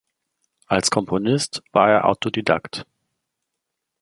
Als Komponist war er Autodidakt.